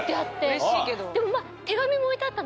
うれしいけど。